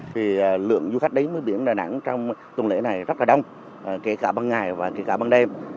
thì lượng du khách đến bãi biển đà nẵng trong tuần lễ này rất là đông kể cả bằng ngày và kể cả bằng đêm